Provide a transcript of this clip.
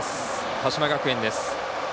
鹿島学園です。